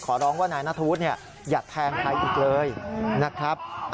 ร้องว่านายนัทธวุฒิเนี่ยอย่าแทงใครอีกเลยนะครับ